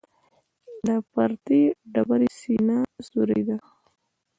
د پرتې ډبرې سینه سورۍ ده.